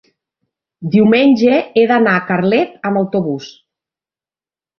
Diumenge he d'anar a Carlet amb autobús.